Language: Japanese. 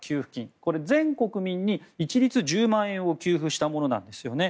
これは全国民に一律１０万円を給付したものなんですね。